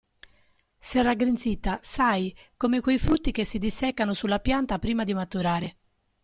S'è raggrinzita, sai, come quei frutti che si disseccano sulla pianta prima di maturare.